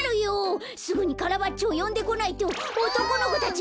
すぐにカラバッチョをよんでこないとおとこの子たち